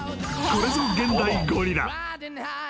［これぞ現代ゴリラ］